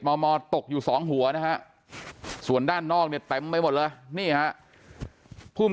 มมตกอยู่สองหัวนะฮะส่วนด้านนอกเนี่ยเต็มไปหมดเลยนี่ฮะภูมิ